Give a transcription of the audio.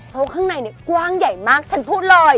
เพราะข้างในกว้างใหญ่มากฉันพูดเลย